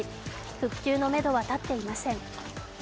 復旧のめどは立っていません。